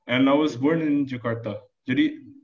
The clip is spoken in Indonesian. and i was born in jakarta jadi